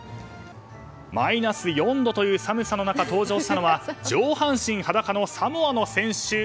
マイナス４度という寒さの中登場したのは上半身裸のサモアの選手。